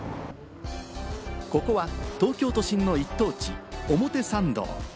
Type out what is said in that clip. ここは東京都心の一等地・表参道。